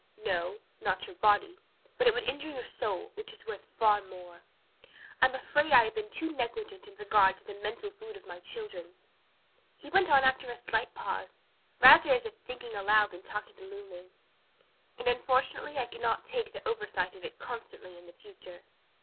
"No, not your body, but it would injure your soul, which is worth far more. I'm afraid I have been too negligent in regard to the mental food of my children," he went on after a slight pause, rather as if thinking aloud than talking to Lulu, "and unfortunately I cannot take the oversight of it constantly in the future.